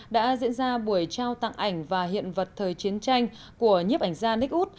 đã diễn ra buổi trao tặng ảnh và hiện vật thời chiến tranh của nhiếp ảnh gia nick wood